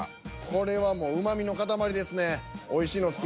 これはうまみの塊ですね。